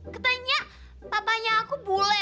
katanya papanya aku bule